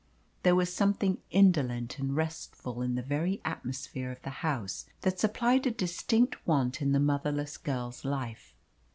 There was something indolent and restful in the very atmosphere of the house that supplied a distinct want in the motherless girl's life.